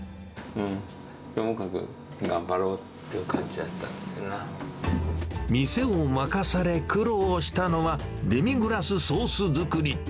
ともかく頑張ろうという感じ店を任され苦労したのは、デミグラスソース作り。